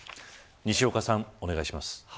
西岡さん、お願いします。